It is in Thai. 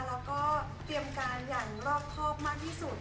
แล้วก็เตรียมการอย่างรอบครอบมากที่สุด